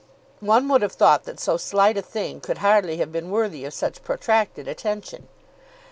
One would have thought that so slight a thing could hardly have been worthy of such protracted attention.